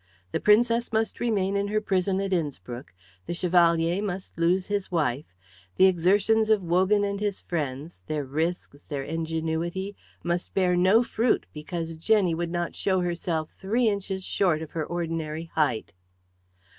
The Princess must remain in her prison at Innspruck; the Chevalier must lose his wife; the exertions of Wogan and his friends, their risks, their ingenuity, must bear no fruit because Jenny would not show herself three inches short of her ordinary height.